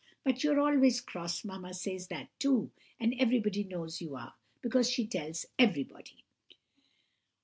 But you're always cross, mamma says that too, and everybody knows you are, because she tells everybody!